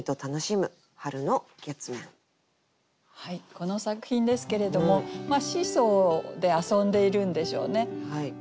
この作品ですけれどもシーソーで遊んでいるんでしょうね。